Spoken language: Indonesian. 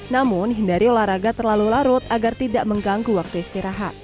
namun hindari olahraga terlalu larut agar tidak mengganggu waktu istirahat